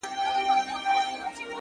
o ټوله وركه يې ـ